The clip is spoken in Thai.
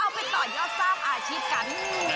ไปต่อยอดสร้างอาชีพกัน